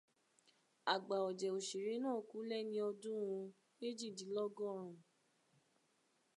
Àgbà ọ̀jẹ̀ òṣèré náà kú lẹ́ni ọdún méjìdinlọ́gọ́run.